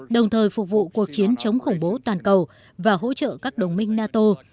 đồng thời phục vụ cuộc chiến chống khủng bố toàn cầu và hỗ trợ các đồng minh nato